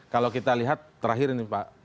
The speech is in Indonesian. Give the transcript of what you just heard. kalau kita lihat terakhir ini pak